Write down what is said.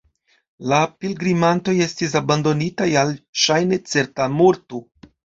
La pilgrimantoj estis abandonitaj al ŝajne certa morto.